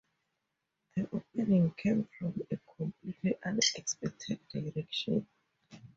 The opening came from a completely unexpected direction.